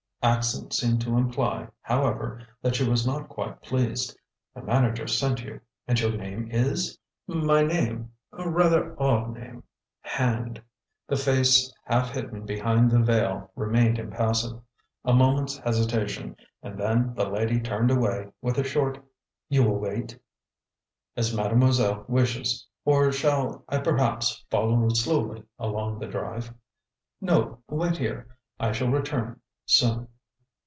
Accent seemed to imply, however, that she was not quite pleased. "The manager sent you. And your name is ?" "My name rather odd name Hand." The face half hidden behind the veil remained impassive. A moment's hesitation, and then the lady turned away with a short, "You will wait?" "As mademoiselle wishes. Or shall I perhaps follow slowly along the drive?" "No, wait here. I shall return soon."